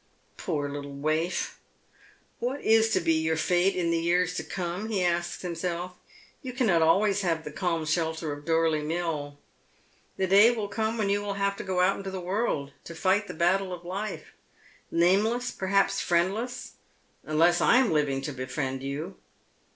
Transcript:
" Poor little waif, what is to be your fate in the years to come ?" he asks himself. " You cannot always have the calm shelter of Dorley Mill. The day will come when you will have to go out into the world to figlit the battle of life — nameless, peiiiapa friendless, unless I am living to befriend you.